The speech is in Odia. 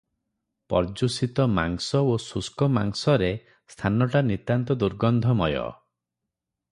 ପର୍ଯ୍ୟୁଷିତ ମାଂସ ଓ ଶୁଷ୍କ ମାଂସରେ ସ୍ଥାନଟା ନିତାନ୍ତ ଦୁର୍ଗନ୍ଧମୟ ।